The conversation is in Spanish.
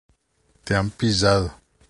Te han pillado.